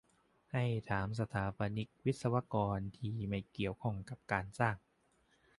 ให้ถามสถาปนิก-วิศวกร ที่ไม่เกี่ยวข้องกับการสร้าง